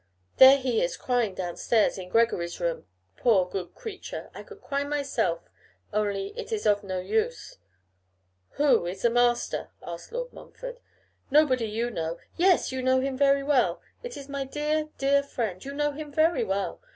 There he is crying down stairs, in Gregory's room. Poor, good creature! I could cry myself, only it is of no use.' 'Who is his master?' said Lord Montfort. 'Nobody you know; yes! you know him very well. It is my dear, dear friend; you know him very well.